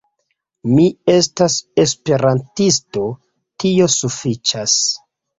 Mi estas Esperantisto, tio sufiĉas.